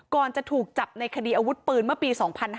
จะถูกจับในคดีอาวุธปืนเมื่อปี๒๕๕๙